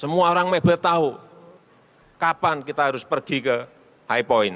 semua orang mebel tahu kapan kita harus pergi ke high point